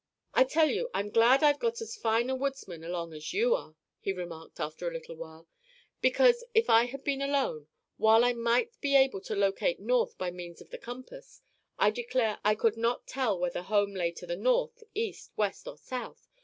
"I tell you I'm glad I've got as fine a woodsman along as you are," he remarked, after a little while; "because, if I had been alone, while I might be able to locate north by means of the compass, I declare I could not tell whether home lay to the north, east, west, or south.